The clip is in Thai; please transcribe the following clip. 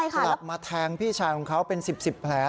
กลับมาแทงพี่ชายของเขาเป็น๑๐๑๐แผล